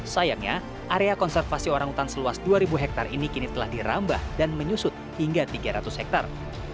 sayangnya area konservasi orang hutan seluas dua ribu hektar ini kini telah dirambah dan menyusut hingga tiga ratus hektar